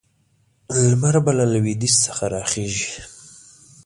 لمر به له لویدیځ څخه راخېژي.